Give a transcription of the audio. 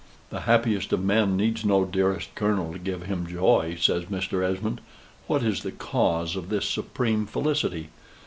"The happiest of men needs no dearest colonel to give him joy," says Mr. Esmond. "What is the cause of this supreme felicity?"